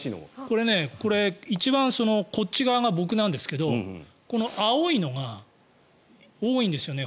これ一番こっち側が僕なんですが青いのが多いんですよね。